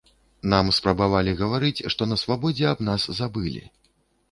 Нам спрабавалі гаварыць, што на свабодзе аб нас забылі.